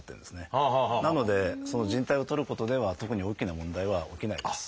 なのでじん帯を取ることでは特に大きな問題は起きないです。